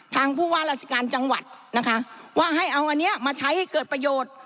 ผู้ว่าราชการจังหวัดนะคะว่าให้เอาอันนี้มาใช้ให้เกิดประโยชน์